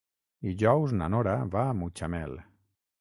Dijous na Nora va a Mutxamel.